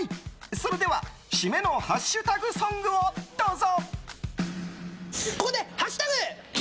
それでは、締めのハッシュタグソングをどうぞ。